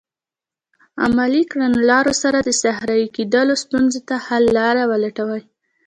عملي کړنلارو سره د صحرایې کیدلو ستونزو ته حل لارې ولټوي.